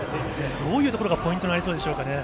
どういうところがポイントになりそうですかね。